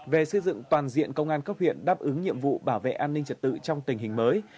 về xây dựng toàn diện công an cấp huyện đáp ứng nhiệm vụ bảo vệ an ninh trật tự trong tình hình mới